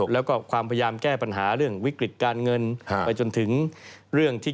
และก็ความพยายามแก้ปัญหาเรื่องวิกฤติการเงิน